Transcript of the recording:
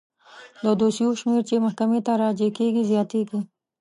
د دوسیو شمیر چې محکمې ته راجع کیږي زیاتیږي.